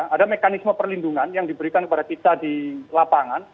ada mekanisme perlindungan yang diberikan kepada kita di lapangan